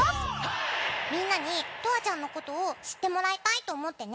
みんなに永遠ちゃんの事を知ってもらいたいと思ってね